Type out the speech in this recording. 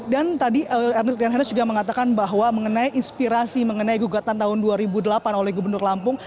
dan tadi rian ernest juga mengatakan bahwa mengenai inspirasi mengenai gugatan tahun dua ribu delapan oleh gubernur lampung